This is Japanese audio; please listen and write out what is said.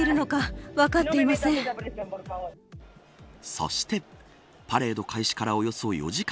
そしてパレード開始からおよそ４時間。